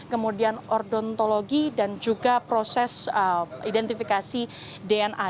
kemudian ordontologi dan juga proses identifikasi dna